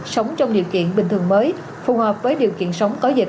sống trong điều kiện bình thường mới phù hợp với điều kiện sống có dịch